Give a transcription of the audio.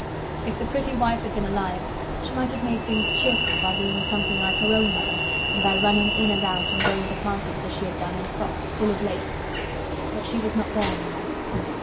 If the pretty wife had been alive she might have made things cheerful by being something like her own mother and by running in and out and going to parties as she had done in frocks "full of lace." But she was not there any more.